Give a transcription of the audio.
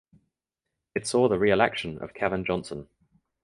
It saw the reelection of Kevin Johnson.